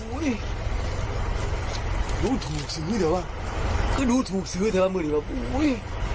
อุ้ยรู้ถูกสือไอ้เธอวะก็รู้ถูกสือไอ้เธอวะเมื่อเดี๋ยวอุ้ย